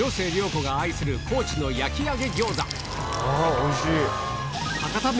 おいしい！